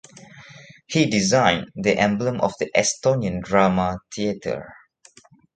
He designed the emblem of the Estonian Drama Theatre.